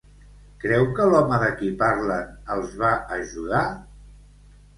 Creu que l'home de qui parlen els va ajudar?